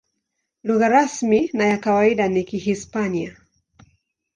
Lugha rasmi na ya kawaida ni Kihispania.